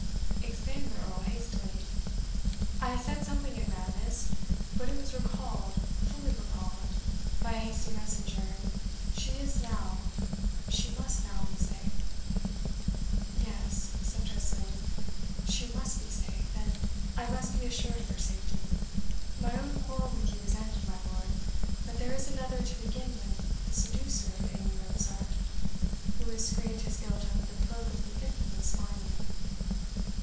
exclaimed the Earl hastily. "I said something in madness; but it was recalled, fully recalled, by a hasty messenger, and she is now she must now be safe." "Yes," said Tressilian, "she MUST be safe, and I MUST be assured of her safety. My own quarrel with you is ended, my lord; but there is another to begin with the seducer of Amy Robsart, who has screened his guilt under the cloak of the infamous Varney."